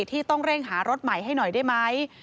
ที่ต้องเร่งหารถใหม่ให้หน่อยได้ไหม